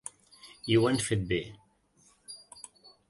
I ho han fet bé.